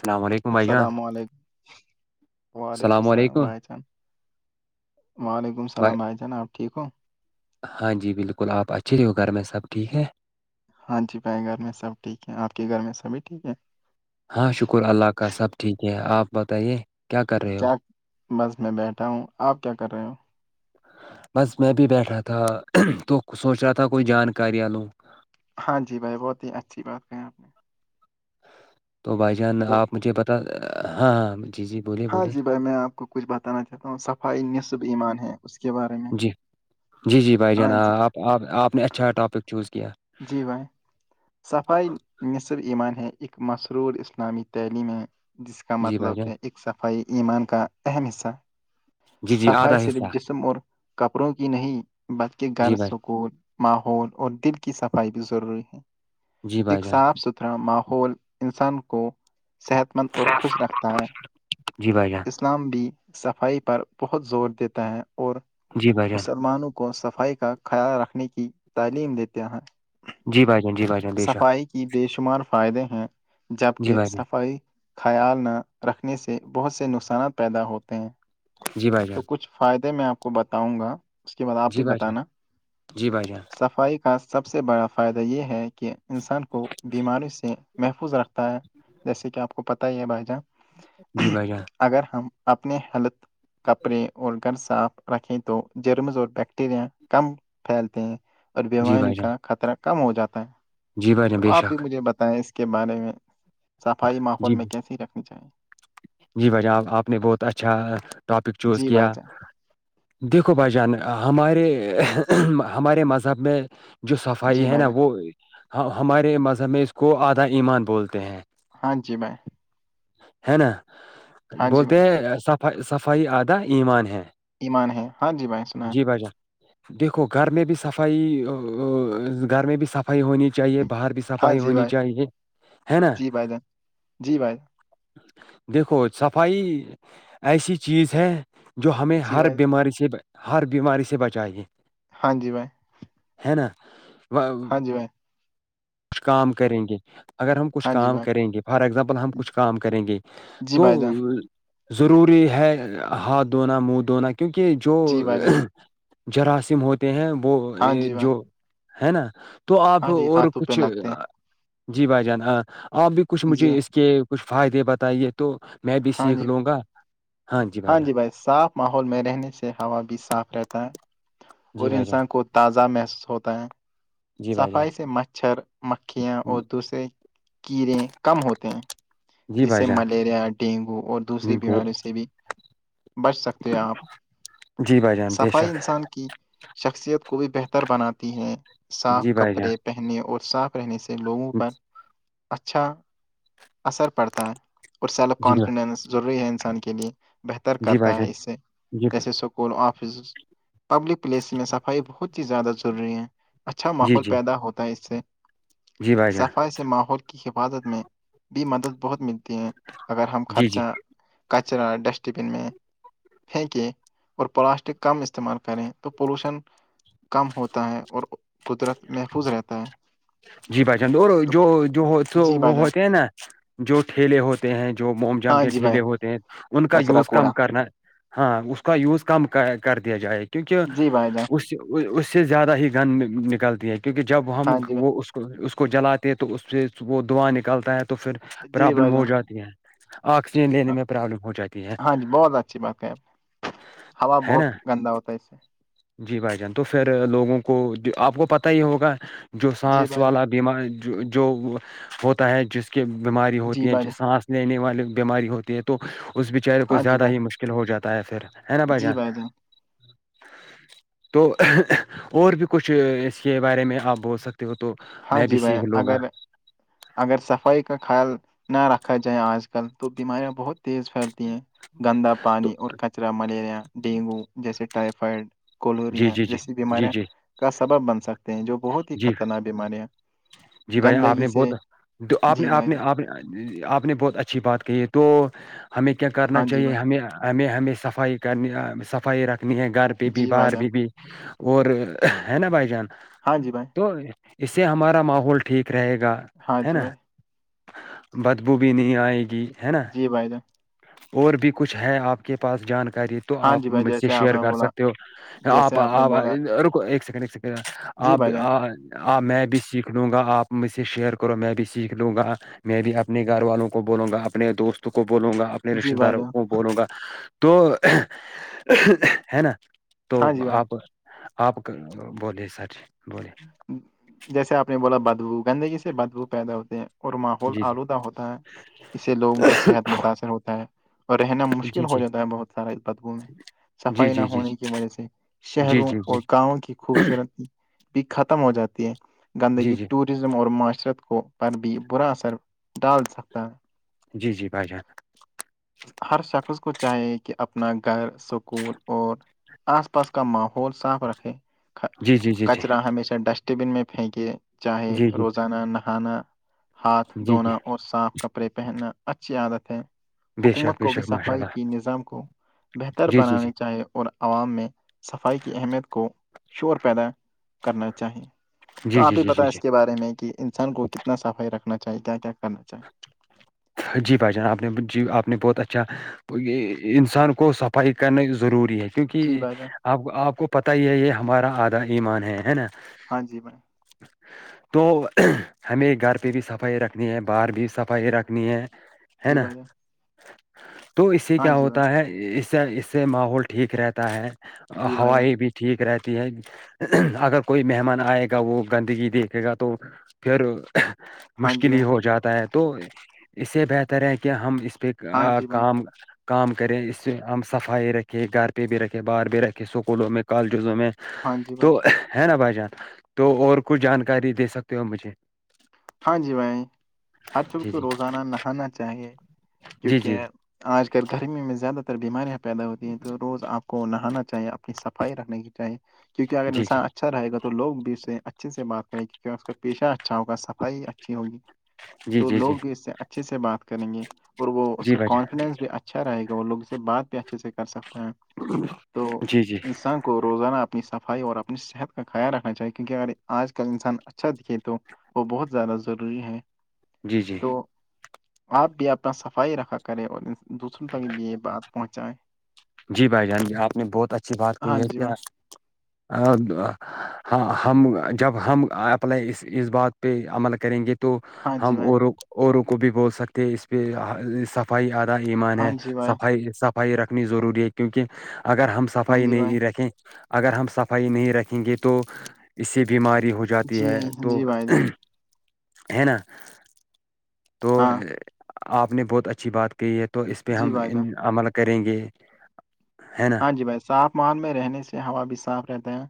السلام علیکم بھائی جان السلام علیکم وعلیکم السلام بھائی چان وعلیکم السلام بھائی جانب آپ ٹھیک ہو ہاں جی بالکل آپ اچے رہے ہو گھر میں سب ٹھیک ہے ہاں جی بھائی گھر میں سب ٹھیک ہیں آپ کے گھر میں سبھی ٹھیک ہے ہاں شکر اللہ کا سب ٹھیک ہے آپ بتائیے کیا کر رہے ہو بس میں بیٹھا ہوں آپ کیا کر رہے ہو بس میں بھی بیٹھا تھا تو سوچ رہا تھا کوئی جانکاریاں لوں ہاں جی بھائی بہت ہی اچھی بات کہیں آپ نے تو بھائی جان تو آپ مجھے بتا ہاں ہاں جی جی بولیے ہاں بولیے جی بھائی میں آپ کو کچھ بتا چاہتا ہوں صفائی نصب ایمان ہے اس کے بارے میں جی جی جی بھائی ہاں جان جی آپ آپ آپ نے اچھا ٹاپک چوز کیا جی بھائی صفائی نصف ایمان ہے ایک مسرور اسلامی تعلیم ہے جس کا جی مطلب بھائی جان ہے ا صفائی ایمان کا اہم حصہ جی جی آدھا صفائی صرف حصہ جسم اور کپڑوں کی نہیں، بلکہ جی گھر بھائی سکول ماحول اور دل کی صفائی بھی ضروری ہے جی بھائی ایک جان صاف ستھرا طرح ماحول انسان کو صحت مند اور خوش رکھتا ہے جی بھائی جان اسلام بھی صفائی پر بہت زور دیتا ہے اور جی بھائی جان مسلمانوں کو صفائی کا خیال رکھنے کی تعلیم دیتے ہیں جی بائی جی بائی صفائی کی بے شمار فائدے ہیں جی جبکہ بھائی جان صفائی خیال نہ رکھنے سے بہت سے نقصانات پیدا ہوتے ہیں جی بھائی جان تو کچھ فائدے میں آپ کو بتاؤں گا اس کے بعد آپ بھی جی بھائی جان بتانا جی بھائی جان صفائی کا کا سب سے بڑا فائدہ یہ ہے کہ انسان کو بیماری سے محفوظ رکھتا ہے جیسے کہ آپ کو پتہ ہی ہے بھائی جان جی بھائی جان اگر ہم اپنے حلت کپڑے اور گھر صاف رکھیں تو جرمز اور بیکٹیریا کم پھیلتے ہیں اور جی بیماریوں بھائی جان کا خطرہ کم ہو جاتا ہے جی بھائی جان تو بے آپ بھی شک مجھے بتائیں اس کے بارے میں صفائی ماحول جی میں کیسے ہی رکھنی چاہییں جی بھائیجان آپ نے بہت اچھا ٹاپک چوز جی بھائی کیا جان دیکھو بھائی جان ہمارے ہمارے مذہب میں جو صفائی جی ہے بھائی نا جان وہ ہمارے مذہب میں اس کو آدھا ایمان بولتے ہیں ہاں جی بھائی ہے نا ہاں جی بولتے بھائی ہیںف صفائی آدھا ایمان ہے ایمان ہے ہاں جی بھائی سنایں جی بھائی جان دیکھو گھر میں بھی صفائی گھر میں بھی صفائی ہونی چاہیے باہر بھی صفائی ہونی چاہیے ہے نا ج پائے جیں جی بھائی دیکھو صفائی ایسی چیز ہے جو ہمیں جی ہر بھائی بیماری سے ہر بیماری سے بچائےے ہاں جی بائی ہے نا ہاں ج بھائی کچ کام کریں گے اگر ہم کچھ ہاں جی کام بھائی کریں گے فار اگزامپل ہم کچھ کام کریں گے جی تو بھائی جان ضروری ہے ہاتھ دھونا منہ دھونا کیونکہ جو جی بھائی جان جراثیم ہوتے ہیں وہ ہاں جی بھائی جو ہے نا تو آپ ہاں جی اور ہاتھوں پہ کچھ لگتے ہیں جی بھائی جان آپ بھی کچھ جی مجھے بھائی اس کے کچھ فائدے بتائیے تو میں بھی ہاں سیکھ جی بھائی، لوں گا ہاں جی باجا صاف ماحول میں رہنے سے ہوا بھی صاف رہتا ہے جی اور بھائی جان انسان کو تازہ محسوس ہوتا ہے جی بھائی جان صفائی سے مچھر مکھیاں اور دوسرے کیڑے کم ہوتے ہیں جی جس سے بھائی جان ملیریا ڈینگو اور دوسری وہ بیماریوں سے بھی بچ سکتے ہیں آپ جی بھائی جان بے صفائی شک انسان کی شخصیت کو بھی بہتر بناتی ہیں صاف جی بھائی کپڑے جان پہننے اور صاف رہنے سے لوگوں پر اچھا اثر پڑتا ہے اور سیلف جی کانفیڈینس ضروری ہے انسان کے لیے بہتر جی بھائی کرتا جان ہے اس سے جی جیسے school office public place میں صفائی بہت ہی زیادہ ضروری ہے اچھا جی ماحول جی پیدا ہوتا ہے اس سے جی بھائی جان صفائی ماحول کی حفاظت میں بھی مدد بہت ملتی ہے اگر ہم جی جی خرچہ کچرا ڈسٹبن میں پھینکیں اور پلاسٹک کم استعمال کریں تو پولوشن کم ہوتا ہے اور قدرت محفوظ رہتا ہے جی بھائی چ اور جو جو جی وہ بھائی جان ہوتے ہیں نا جو ٹھیلے ہوتے ہیں جو موم جم ہاں کے جی بھائی ٹھیلے ہوتے ہیں ان کا کچرا یوز کم کوڑا کرنا ہاں اس کا یوز کم کر دیا جائے کیونکہ جی بھائی جان اس اس سے زیادہ ہی گند نکلتی ہے کیونکہ جب ہم ہاں جی وہ اس کو اس کو جلاتے ہیں تو اس پ وہ دعا نکلتا ہے تو پھر بھائی جی بھائی پرابلم ہو جان جاتی ہے آکسیجن لینے میں پرابلم ہو جاتی ہے ہاں جی بہت اچھی بات کہیں آپ ہوا ہے بہت نا گندا ہوتا ہے اس سے جی بھائی جان تو پھر لوگوں کو آپ کو پتا ہی ہوگا جو جی سانس بھائی جان والا بیماری جو ہوتا ہے جس کی بیماری جی ہوتی ہیں بھائی جان سانس لینے والی بیماری ہوتی ہے تو اس بیچارے کو ہاں جی زیادہ بھائی ہی مشکل ہو جاتا ہے پھر ہے نا بھائی جان تو اور بھی کچھ اس کے بارے میں آپ بول سکتے ہو تو ہاں میں بھی جی بھائی سیکھ لوں گا اگر اگر صفائی کا خیال نہ رکھا جائے آج کل تو بیماریاں بہت تیز پھیلتی ہیں گندا تو پانی اور کچرا ملیریا ڈینگو جیسے ٹائفائڈ جی کولوریا جی جی جیسی جی بیماریاں جی کا سبب بن سکتے ہیں جو بہت ہی جی خطرناک بیماریاں جی بھئی جان آپ گندگی نے سے بہت آپ نے جی آپ بھائی نے جان آپ نے آپ نے بہت اچھی بات کہی ہے تو ہمیں کیا کرنا ہاں جی چاہیے بھائی ہمیں ہمیں ہمیں صفائی کرنی صفائی رکھنی ہے گھر پہ بھی جی بھائی باہر جان پہ بھی اور ہے نا بھائی جان ہاں جی بھائی تو اس سے ہمارا ماحول ہو ٹھیک رہے گا ہاں ہے جی نا بھائی بدبو بھی نہیں آئے گی ہے نا جی بھائی جان اور بھی کچھ ہے آپ کے پاس جانکاری تو ہاں آپ جی بھائی م سے جیسے آپ شیئر نے کر بولا سکتے ہو جیسے آپ نے آپ بولا رکو ایک سیکنڈ ایک سیکنڈ جی بھائی جان آپ میں بھی سیکھ سیکھ لوں گا آپ مجھ سے شیئر کرو میں بھی سیکھ لوں گا میں بھی اپنے گھر والوں کو بولوں گا اپنے دوستوں کو بولوں گا اپنے جی رشتے بھائی داروں جان کو بولوں گا تو ہے نا تو ہاں جی بھائی آپ آپ بولئے سچ ہے بولیے جیسے آپ نے بولا بدبو گندگی سے بدبو پیدا ہوتے ہیں اور ماحول جی جی آلودہ ہوتا ہے اس سے لوگوں کا صحت متاثر ہوتا ہے اور رہنا مشکل جی ہو جی جاتا ہے بہت سارا اس بدبو میں جی صفائی نہ جی ہونے کی وجہ سے جی شہروں جی جی اور گاؤں کی خوبصورتی ختم ہو جاتی ہے جی جی گندگی جی ٹور ٹز اور معاشرت کو پر بھی برا اثر ڈال سکتا ہے جی جی بھائی جان ہر شخص کو چاہیے کہ اپنا گھر سکول اور آس پاس کا ماحول صاف رکھے جی جی جی جی کچرا ہمیشہ ڈسٹ بن میں پھینکے چاہے جی جی روزانہ نہانا ہاتھ جی جی دھونا اور صاف کپڑا کپڑے پہننا اچھی عادت ہے بے حکومت شک بے کو بھی شک ماشاء صفائی اللہ کے نظام کو بہتر جی جی جی بنانے چاہیے اور عوام میں صفائی کی اہمیت کو شور پیدا کرنا چاہیے تو جی، جی، آپ ہی جی، پتا جی، ہے جی، اس کے بارے میں کہ انسان کو کتنا صفائی رکھنا چاہیے کیا کیا کرنا چاہیے جی بھائی جان آپ نے جی آپ نے بہت اچھا انسان کو صفائی کرنا ضروری ہے جی کیونکہ بھائی جان آپ آپ کو پتا ہی ہے یہ ہمارا آدھا ایمان ہے ہے نا ہاں جی ب تو ہمیں گھر پہ بھی صفائی رکھنی ہے باہر بھی صفائی رکھ نہیں ہے ہے جی نا بھائی جان تو اس سے ہاں کیا جی بھائی ہوتا ہے اس سے اس سے ماحول ٹھیک رہتا ہے جی بھائی جان ہوائی بھی ٹھیک رہتی ہے اگر کوئی مہمان آئے گا وہ گندگی دیکھے گا تو پھر ہاں جی مشکل ہی بھائی ہو جاتا ہے تو اس سے بہتر ہے کہ ہم اس پہ ہاں کا جی بھائی کام کام کرے اس سے ہم صفائی رکھیں گھر پہ بھی رکھے باہر بھی رکھے اسکولوں میں کالجزوں میں ہاں جی تو بھائی ہے نا بھائی جان تو اور کچھ جانکاری دے سکتے ہو مجھے ہاں جی بھائی ہر شخص جی کو جی روزانہ نہانا چاہیے جی جی کیونکہ آج کل گرمیوں میں زیادہ تر بیماریاں پیدا ہوتی ہیں تو روز آپ کو نہانا چاہیے صفائی رکھنی کی چاہے کیونک اگر جی انسان اچھا رہے گا تو لوگ بھی اس سے اچھے سے بات کریں کیکہ اس کا پیشہ اچھا ہوگا صفائی اچھی ہوگی جی تو جی جی جی لوگ بھی اس سے اچھے سے بات کریں گے اور وہ اس جی کا بھائی جان کانفیڈینس بھی اچھا اچھا رہے گا وہ لوگ اس سے بات بھی اچھے سے کر سکتا ہیں تو جی جی انسان کو روزانہ اپنی صفائی اور اپنی صحت کا خیال رکھنا چاہیے کیونکہ اگر آج کل انسان اچھا دکھے تو وہ بہت زیادہ ضروری ہے جی جی تو آپ بھی اپنا صفائی رکھا کریں اور دوسروں تک بھی یہ بات پہنچائیں جی بھائی جان جی آپ نے بہت اچھی بات کہ ہاں ہے جی کیا بھائی [unintelligible] ہاں ہم جب ہم اپلائی اس بات پہ عمل کریں گے تو تو ہاں جی ہم بھائی اوروں کو بھی بول سکتے ہیں اس پہ صفائی آدا ایمان ہاں ہے جی بھائی صفائی رکھنی ضروری ہے کیونکہ اگر ہم سب ہاں صفائی جی بھائی نہیں رکھیں اگر ہم صفائی نہیں رکھیں گے تو اس سے بیماری ہو جاتی جی ہے تو جی بھائی جان ہے نا تو ہاں آپ نے بہت اچھی بات کہی ہے تو اس پہ جی ہم بھائی جان عمل کریں گے ہے نا ہاں جی بھائی صاف مال میں رہنے سے ہوا بھی صاف رہتا ہے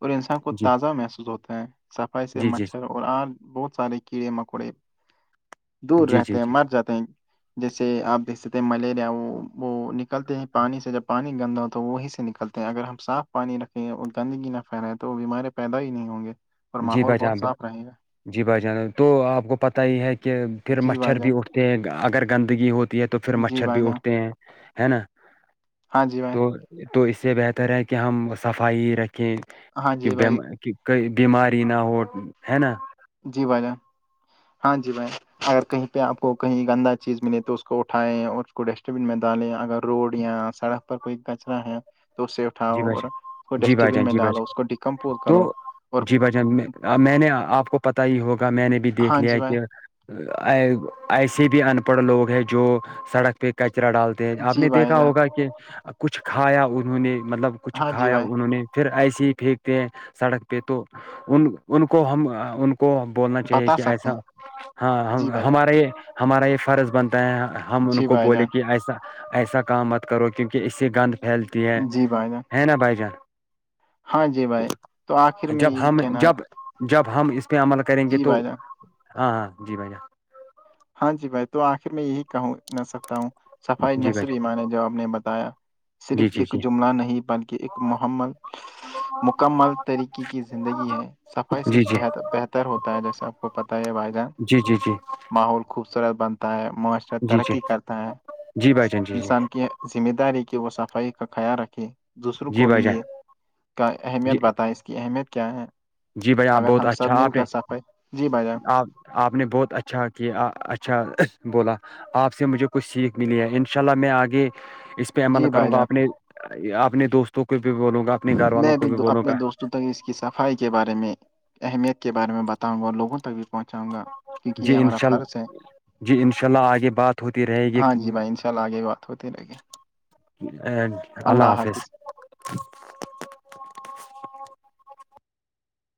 اور انسان کو جی تازہ محسوس ہوتا ہے صفائی سے جی جی مچھر اور آج بہت سارے کیڑے مکوڑے دور جی جی رہتے ہیں جی مر جاتے ہیں جیسے آپ بھیج سکتے ہیں ملیریا وہ وہ نکلتے ہیں پانی سے جب پانی گندا ہو تو وہی سے نکلتے ہیں اگر ہم صاف پانی رکھیں اور گندگی نہ پھیلائیں تو وہ بیمارے پیدا ہی نہیں ہوں گے اور جی ماحول بھائی بہت جان صاف رہے گا جی بھائی جان تو آپ کو پت ہی ہے کہ پھر جی بھائی مچھر جان بھی اٹھ اگر گندگی ہوتی ہے تو پھر جی مچھر بھائی بھی جان اٹھتے ہیں ہے نا ہاں جی بھائی تو تو اس سے بہتر ہے کہ ہم صفائی ہی رکھیں ہاں کہ جی بیم بھائی بیماری نہ ہو ہے نا جی بھائی جان ہاں جی بھن اگر کہیں پہ آپ کو کہیں گندہ چیز ملے تو اس کو اٹھائائے اور ڈسٹ بین میں ڈالیں اگر روڈ یا سڑک پر کوئی کچرا ہے تو سیف جی اٹھاؤ بھائی جان اور جی بھائی ڈسٹبین جان میں جی بھائی جان ڈالو اس کو ڈیکمپوز تو کرو اور جی بھجان میں نے آپ کو پتا ہی ہوگا میں نے بھی دیکھ ہاں جی لیا بھائی کہ ایسے بھی ان پڑھ لوگ ہے جو سڑک پہ کچرا ڈالتے آپ نے جی بھائی دیکھا جان ہوگا کہ کچھ کھایا انہوں نے مطلب کچھ ہاں جی کھایا بھائی انہوں نے پھر ایسے ہی پھینکتے ہیں سڑک پہ تو ان ان کو ہم ان کو بولنا چاہیے بتا کہ سکتے ایسا ہیں جی ہاں بھائی ہمارا یہ ہمارا یہ فرض بنتا ہے ہم ان جی کو بھائی بولے جان کہ ایسا ایسا کام مت کرو کیونکہ اس سے گند پھیلتی ہے جی بھائی جان ہے نا بھائی جان ہاں جی بھائی آخر تو میں جب یہی ہم کہنا جب جب ہم اس پہ عمل کریں گے جی تو بھائی جان ہاں ہاں جی بھائی جان ہاں جی بھائی تو آخر میں یہی کہوں سکتا ہوں صفائی جی بھائی نصبی جان مانے جو آپ نے بتایا صرف جی جی ایک جی جملہ نہیں بلکہ ایک مکمل مکمل طریقے کی زندگی ہے صفائی سے جی جی صحت بہتر ہوتا ہے جیسے آپ کو پتہ ہے بھائی جان جی جی جی ماحول خوبصورت بنتا ہے معاشر جی جی ترقی کرتا ہے جی بھائی جان جی جی انسان کی ذمہ داری کی وہ صفائی کا خیال رکھیں دوسروں جی کو بھائی بھی جان یہ کا جی اہمیت بتائائے اس کی اہمیت کیا ہے جی بھائی جان اگر بہت ہم سب اچھا مل آپ نے کر صفائی جی بھائی جان آپ آپ نے بہت اچھا کیا اچھا بولا آپ سے مجھے کچھ سیکھ ملی ہے ان شاء اللہ میں آگے اس پہ عمل جی کروں بھائی گا جان اپنے اپنے دوستوں کو بھی بولوں گا اپنے گھر والوں میں کو بھی دو بولوں اپنے گا دوستوں تک اس کی صفائی کے بارے میں اہمیت کے بارے میں بتاؤں گا اور لوگوں تک بھی پہنچاؤں گا کیونکہ جی یہ ہمارا انشاء فرض ہے اللہ جی انشاء اللہ آگے بات ہوتی رہے گی ہاں جی بھائی انشاءاللہ آگے بات ہوتی رہے گی ا اللہ حافظ